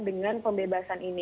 dengan pembebasan ini